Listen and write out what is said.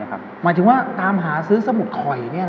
หมายถึงว่าตามหาซื้อสมุดคอยนี่ล่ะ